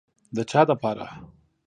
د چا دپاره.